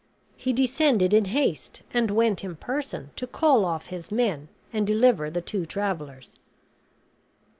He descended in haste and went in person to call off his men and deliver the two travelers.